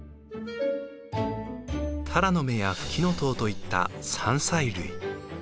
タラの芽やフキノトウといった山菜類。